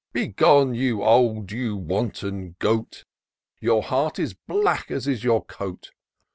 Begone, you old, you wanton goat ! Your heart is black as is your coat